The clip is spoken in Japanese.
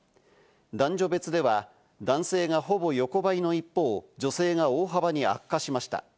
男女別では男性がほぼ横ばいの一方、女性が大幅に悪化しました。